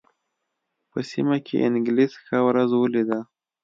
په سیمه کې انګلیس ښه ورځ ولېده.